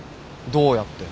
どうやって？